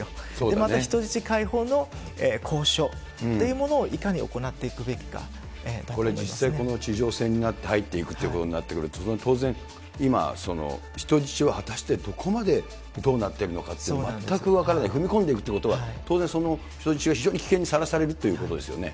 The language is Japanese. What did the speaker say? また人質解放の交渉というものをいかに行っていくべきかだと思い実際に地上戦に入っていくということになってくると、当然、今、人質は果たしてどこまでどうなってるのかって、全く分からない、踏み込んでいくということは、当然、その人質が非常に危険にさらされるということですよね。